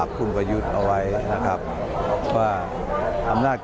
ค่ะ